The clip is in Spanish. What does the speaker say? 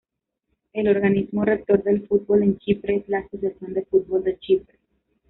El organismo rector del fútbol en Chipre es la Asociación de Fútbol de Chipre.